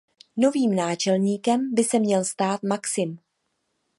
Novým náčelníkem by se měl stát Maxim.